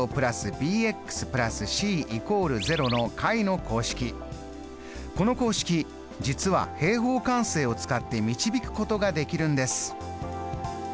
２次方程式この公式実は平方完成を使って導くことができるんです。